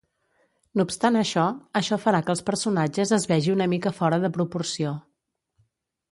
No obstant això, això farà que els personatges es vegi una mica fora de proporció.